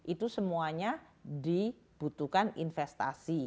itu semuanya dibutuhkan investasi